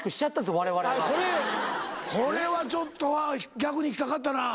これはちょっと逆に引っかかったな。